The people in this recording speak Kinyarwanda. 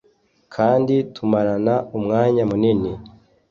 kandi tumarana umwanya munini